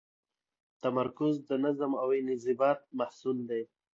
تمرکز د نظم او انضباط محصول دی.